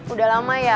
udah lama ya